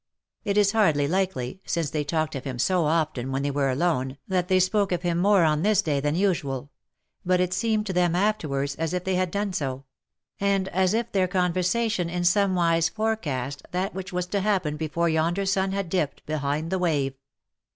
It is hardly likely, since they talked of him so often when they were alone, that they spoke of him more on this day than usual : but it seemed to them afterwards as if they had done so — and as if their conversation in somewise forecast that which was to happen before yonder sun had dipped behind the wave.